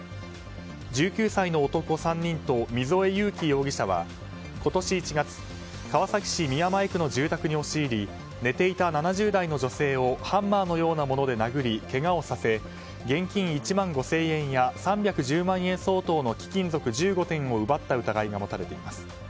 １９歳の男３人と溝江悠樹容疑者は今年１月川崎市宮前区の住宅に押し入り寝ていた７０代の女性をハンマーのようなもので殴りけがをさせ現金１万５０００円や３１０万円相当の貴金属１５点を奪った疑いが持たれています。